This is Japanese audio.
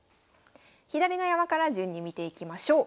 左の山から順に見ていきましょう。